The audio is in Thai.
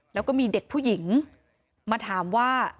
แล้วก็มีเด็กผู้หญิงมาถามว่า